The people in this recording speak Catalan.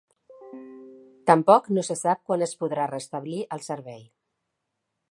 Tampoc no se sap quan es podrà restablir el servei.